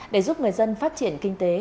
để giúp người dân phát triển kinh tế